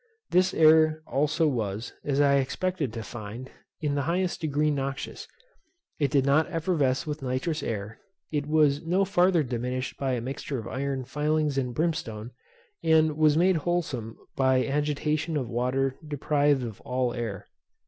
This air also was, as I expected to find, in the highest degree noxious; it did not effervesce with nitrous air, it was no farther diminished by a mixture of iron filings and brimstone, and was made wholesome by agitation in water deprived of all air.